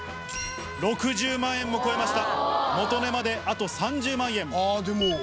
６０万円も超えました。